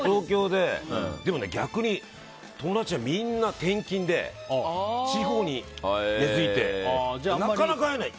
でも逆に友達はみんな転勤で地方に根付いてなかなか会えない。